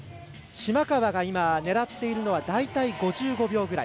島川が狙っているのは大体、５５秒ぐらい。